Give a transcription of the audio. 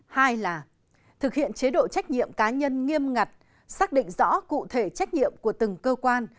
hai là thực hiện chế độ trách nhiệm cá nhân nghiêm ngặt xác định rõ cụ thể trách nhiệm của từng cơ quan